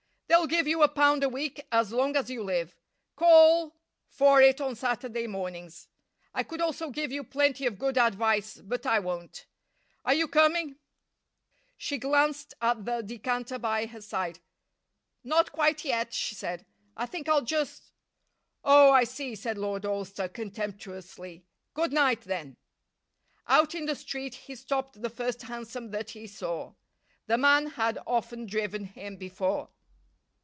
"They'll give you a pound a week as long as you live. Call for it on Saturday mornings. I could also give you plenty of good advice, but I won't. Are you coming?" She glanced at the decanter by her side. "Not quite yet," she said. "I think I'll just " "Oh! I see," said Lord Alcester, contemptuously. "Good night, then." Out in the street he stopped the first hansom that he saw. The man had often driven him before.